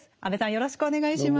よろしくお願いします。